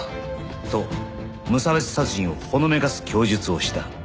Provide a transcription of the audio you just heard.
と無差別殺人をほのめかす供述をした。